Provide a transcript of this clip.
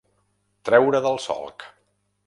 Treure del solc.